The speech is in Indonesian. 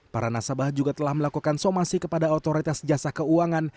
para nasabah juga telah melakukan somasi kepada otoritas jasa keuangan